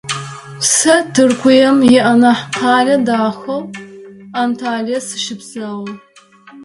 Сэ Тыркуем ианахь къэлэ дахэу Анталие сыщэпсэу.